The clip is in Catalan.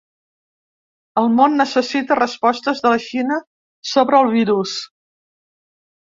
El món necessita respostes de la Xina sobre el virus.